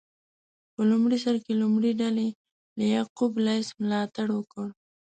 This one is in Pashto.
په لومړي سر کې کومې ډلې له یعقوب لیث ملاتړ وکړ؟